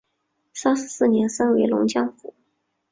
三十四年升为龙江府。